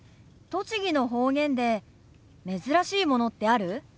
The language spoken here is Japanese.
栃木の方言で珍しいものってある？